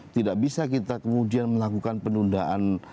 tidak bisa kita kemudian melakukan penundaan